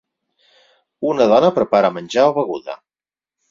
Una dona prepara menjar o beguda.